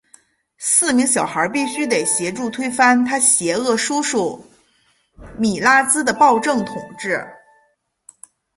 四名小孩必须得协助推翻他邪恶叔叔米拉兹的暴政统治。